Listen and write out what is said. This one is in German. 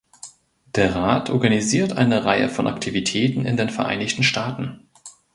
Der Rat organisiert eine Reihe von Aktivitäten in den Vereinigten Staaten.